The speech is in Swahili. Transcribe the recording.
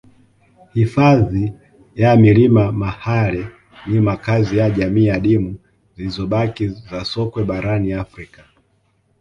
Hifadhi ya milima Mahale ni makazi ya jamii adimu zilizobakia za sokwe barani Afrika